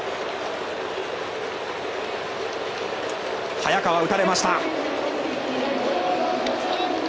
早川、打たれました。